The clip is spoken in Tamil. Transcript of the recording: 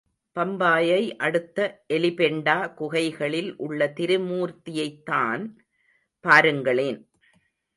பம்பாயை அடுத்த எலிபெண்டா குகைகளில் உள்ள திரிமூர்த்தியைத்தான் பாருங்களேன்.